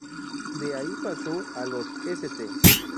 De ahí pasó a los St.